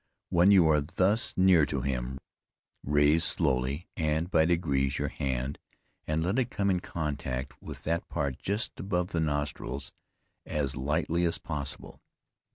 When you are thus near to him, raise slowly, and by degrees, your hand, and let it come in contact with that part just above the nostrils as lightly as possible.